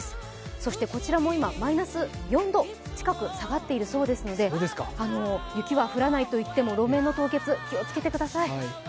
そしてこちらも今、マイナス４度近く下がっているそうですので雪は降らないといっても路面の凍結、気をつけてください。